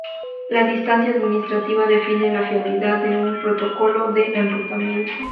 La distancia administrativa define la fiabilidad de un protocolo de enrutamiento.